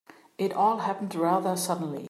It all happened rather suddenly.